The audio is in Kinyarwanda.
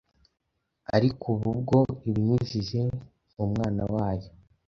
ariko ubu bwo ibinyujije mu Mwana wayo,